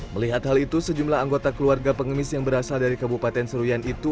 melihat hal itu sejumlah anggota keluarga pengemis yang berasal dari kabupaten seruyan itu